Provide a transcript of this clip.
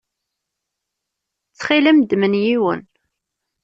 Ttxil-m ddem-n yiwen.